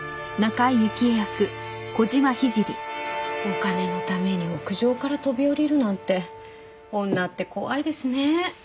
お金のために屋上から飛び降りるなんて女って怖いですね。